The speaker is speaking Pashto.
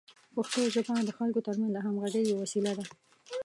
پښتو ژبه د خلکو ترمنځ د همغږۍ یوه وسیله ده.